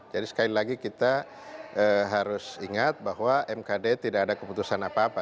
jadi sekali lagi kita harus ingat bahwa mkd tidak ada keputusan apa apa